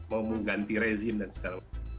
mau mengganti rezim dan segala macam